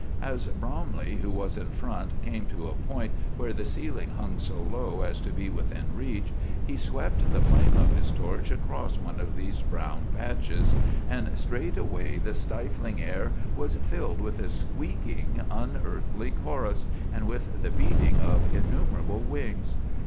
As Bromley, who was in front, came to a point where the ceiling hung so low as to be within reach, he swept the flame of his torch across one of these brown patches, and straightway the stifling air was filled with a squeaking, unearthly chorus, and with the beating of innumerable wings.